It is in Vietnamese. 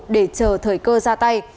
để chờ thời cơ ra tay